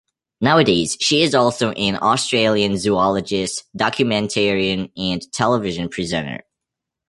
Nowadays she is also an Australian zoologist, documentarian and television presenter.